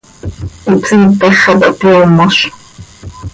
Ihpsiitax xah taa hpyoomoz.